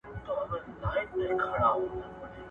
خراسان او هرات د صفویانو لاس ته ورغلل.